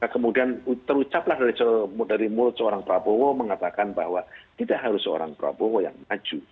kemudian terucaplah dari mulut seorang prabowo mengatakan bahwa tidak harus seorang prabowo yang maju